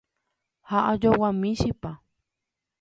ha ajoguámi chipa